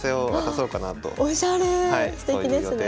そういう予定です。